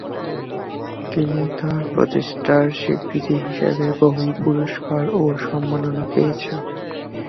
তিনি তার প্রচেষ্টার স্বীকৃতি হিসাবে বহু পুরস্কার ও সম্মাননা পেয়েছেন।